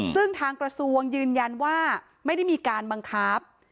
ซึ่งทางกระทรวงยืนยันว่าไม่ได้มีการบังคับ